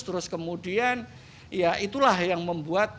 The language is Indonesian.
terus kemudian ya itulah yang membuat